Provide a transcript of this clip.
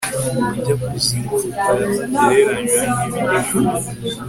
Ubujyakuzimu butagereranywa nibidashoboka